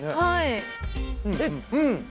はい。